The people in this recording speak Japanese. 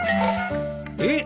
えっ？